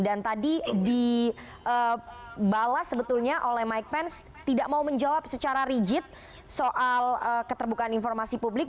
dan tadi di balas sebetulnya oleh mike pence tidak mau menjawab secara rigid soal keterbukaan informasi publik